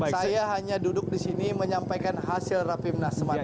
saya hanya duduk disini menyampaikan hasil rapimnas semata